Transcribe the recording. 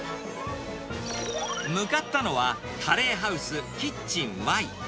向かったのは、カレーハウスキッチン・Ｙ。